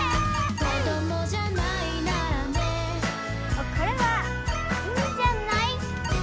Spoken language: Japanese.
これはいいんじゃない？